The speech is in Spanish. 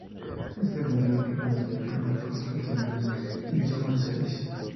Esta definición incluye materias primas, productos terminados, insumos y servicios.